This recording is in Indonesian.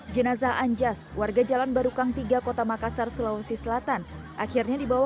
jenazah anjas warga jalan barukang tiga kota makassar sulawesi selatan akhirnya dibawa